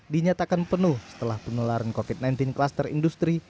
dinyatakan penuh setelah penularan covid sembilan belas klaster industri